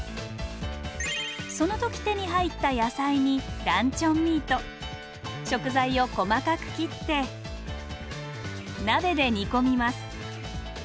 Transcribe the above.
その時手に入った野菜にランチョンミート食材を細かく切って鍋で煮込みます。